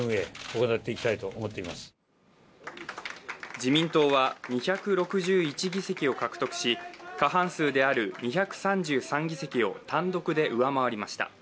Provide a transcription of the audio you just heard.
自民党は２６１議席を獲得し過半数である２３３議席を単独で上回りました。